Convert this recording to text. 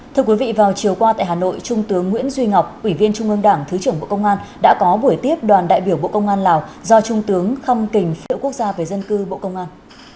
thưa quý vị vào chiều qua tại hà nội trung tướng nguyễn duy ngọc ủy viên trung ương đảng thứ trưởng bộ công an đã có buổi tiếp đoàn đại biểu bộ công an lào do trung tướng khâm kình phễu quốc gia về dân cư bộ công an